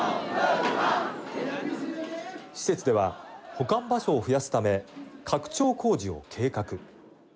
施設では、保管場所を増やすため拡張工事を計画。